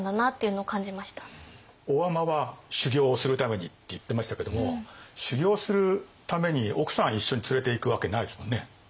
大海人は修行をするためにって言ってましたけども修行をするために奥さん一緒に連れていくわけないですもんね。